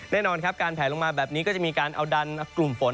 แน่นอนครับการแผลลงมาแบบนี้ก็จะมีการเอาดันกลุ่มฝน